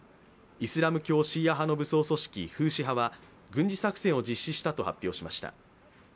イスラム教シーア派の武装組織フーシ派は軍事作戦を実施したと発表しました。